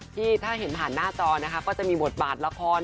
ที่ถ้าเห็นผ่านหน้าจอนะคะก็จะมีบทบาทละคร